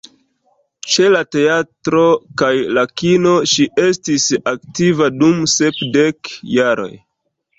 Ĉe la teatro kaj la kino, ŝi estis aktiva dum sepdek jaroj.